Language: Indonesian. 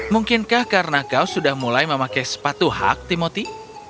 mungkinkah karena kau sudah mulai memakai sepatu hak timoti